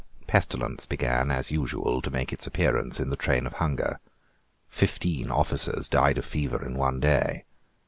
Pestilence began, as usual, to make its appearance in the train of hunger. Fifteen officers died of fever in one day.